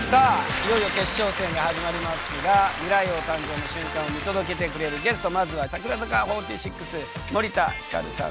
いよいよ決勝戦が始まりますが未来王誕生の瞬間を見届けてくれるゲストまずは櫻坂４６森田ひかるさん。